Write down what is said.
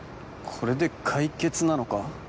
これで解決なのか？